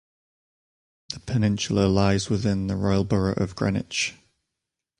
The peninsula lies within the Royal Borough of Greenwich.